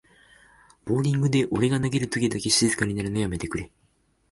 ボーリングで俺が投げるときだけ静かになるのやめてくれ